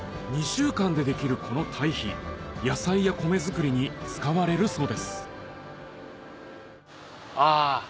２週間でできるこの堆肥野菜や米作りに使われるそうですあ